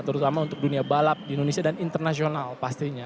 terutama untuk dunia balap di indonesia dan internasional pastinya